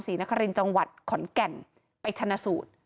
นครินทร์จังหวัดขอนแก่นไปชนะสูตร